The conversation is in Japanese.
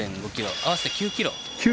合わせて９キロ。